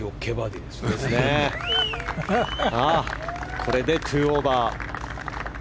これで２オーバー。